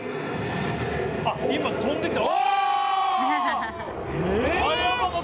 今、飛んできた！